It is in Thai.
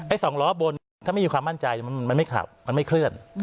สองล้อบนเนี่ยถ้าไม่มีความมั่นใจมันไม่ขับมันไม่เคลื่อน